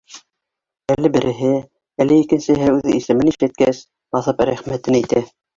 Әле береһе, әле икенсеһе үҙ исемен ишеткәс, баҫып рәхмәтен әйтә.